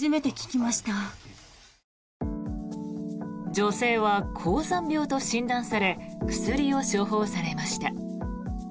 女性は高山病と診断され薬を処方されました。